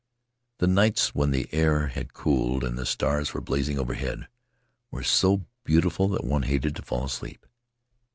'The nights, when the air had cooled and the stars were blazing overhead, were so beautiful that one hated to fall asleep.